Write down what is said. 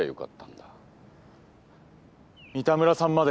だから三田村さんまで。